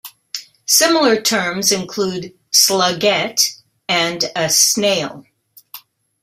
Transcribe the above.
Similar terms include "slugette", and a "snail".